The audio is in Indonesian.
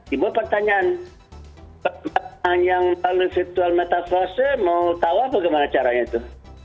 ibu pertanyaan pertanyaan yang melalui virtual metafors itu mau tawaf bagaimana caranya itu